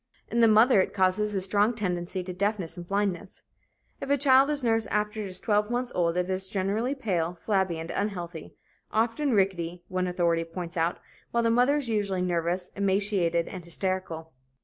In the mother it causes a strong tendency to deafness and blindness. If a child is nursed after it is twelve months old, it is generally pale, flabby and unhealthy, often rickety, one authority points out, while the mother is usually nervous, emaciated and hysterical.